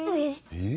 えっ？